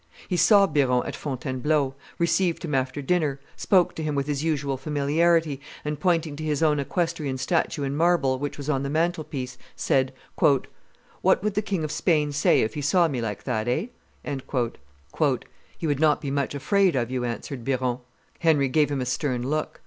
He saw Biron at Fontainebleau, received him after dinner, spoke to him with his usual familiarity, and pointing to his own equestrian statue in marble which was on the mantelpiece, said, "What would the King cf Spain say if he saw me like that, eh?" "He would not be much afraid of you," answered Biron. Henry gave him a stern look.